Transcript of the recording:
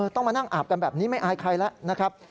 ต้องมานั่งอาบกันแบบนี้ไม่อายใครแล้วนะครับ